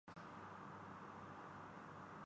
mayor کے لیے دو امیدواروں کا موازنہ کریں اعلانچی کہتا ہے